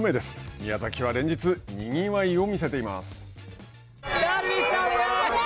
宮崎は連日にぎわいを見せています。